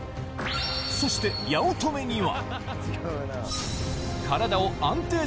そして、八乙女には。